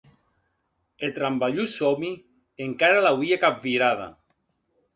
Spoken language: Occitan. Eth rambalhós sòmi encara l’auie capvirada.